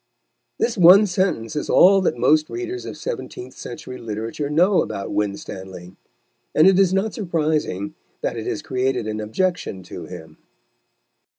This one sentence is all that most readers of seventeenth century literature know about Winstanley, and it is not surprising that it has created an objection to him.